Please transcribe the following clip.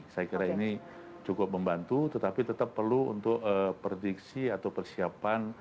saya kira ini cukup membantu tetapi tetap perlu untuk prediksi atau persiapan